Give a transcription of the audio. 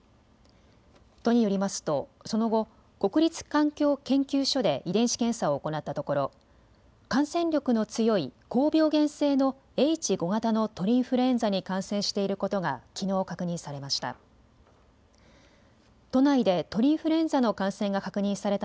都によりますと、その後、国立環境研究所で遺伝子検査を行ったところ感染力の強い高病原性のＨ５型の鳥インフルエンザに感染していることがきのう確認されました。